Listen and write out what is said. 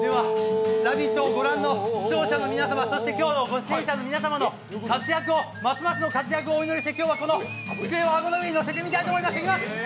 「ラヴィット！」をご覧の皆様、そして今日のご出演者の皆様のますますの活躍をお祈りして今日は、この机を顎の上に乗せてみたいと思います！